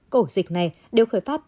cổ dịch này đều khởi phát từ